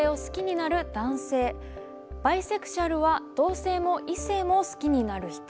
バイセクシュアルは同性も異性も好きになる人。